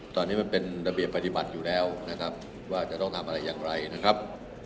ตอนนี้มันเป็นระเบียบปฏิบัติอยู่แล้วนะครับว่าจะต้องทำอะไรอย่างไรนะครับ